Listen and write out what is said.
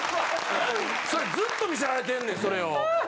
それずっと見せられてんねんそれを。